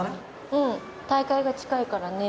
うん大会が近いからね。